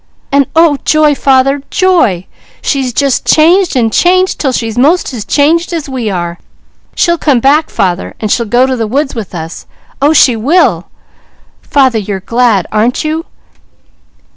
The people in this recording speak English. And oh joy, father, joy! She's just changed and changed, till she's most as changed as we are! She'll come back, father, and she'll go to the woods with us, oh she will! Father, you're glad, aren't you?"